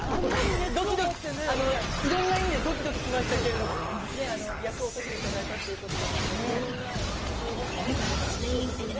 いろんな意味でどきどきしましたけど厄を落としていただいたということでいろんな希望を持って生きていきましょうね。